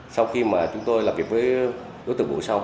sau khi mà chúng tôi làm việc với đối tượng vụ sau